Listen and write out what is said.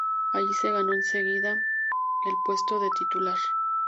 Allí se ganó enseguida el puesto de titular.